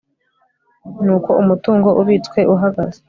n uko umutungo ubitswe uhagaze